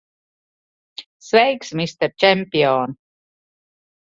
Sveiks, mister čempion!